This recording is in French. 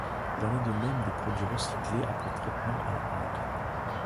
Il en est de même des produits recyclés après traitement à La Hague.